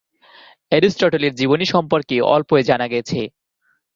এরিস্টটলের জীবনী সম্পর্কে অল্পই জানা গেছে।